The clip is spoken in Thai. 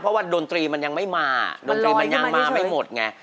เพราะว่าดนตรีมันยังไม่มาดนตรีมันยังมาไม่หมดไง